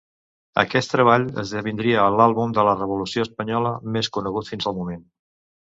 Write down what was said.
Aquest treball esdevindria l'àlbum de la revolució espanyola més conegut fins al moment.